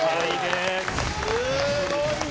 すごいね！